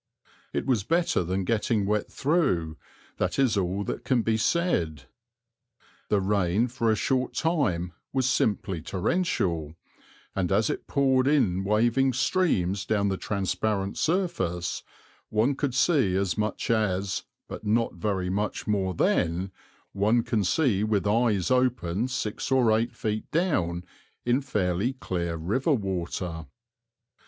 It was better than getting wet through, that is all that can be said. The rain for a short time was simply torrential, and as it poured in waving streams down the transparent surface, one could see as much as, but not very much more than, one can see with eyes opened six or eight feet down in fairly clear river water.